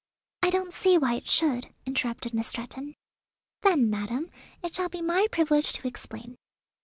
"I don't see why it should," interrupted Miss Stretton. "Then, madam, it shall be my privilege to explain.